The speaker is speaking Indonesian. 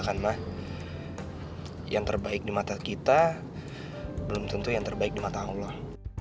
dan mah yang terbaik di mata kita belum tentu yang terbaik di mata allah